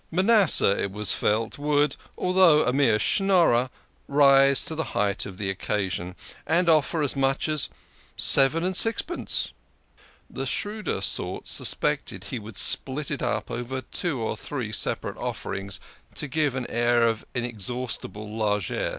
Ma nasseh, it was felt, would, although a mere Schnorrer, rise to the height of the occasion, and offer as much as seven and sixpence. The shrewder sort suspected he would split it up into two or three separate offerings, to give an air of inex haustible largess.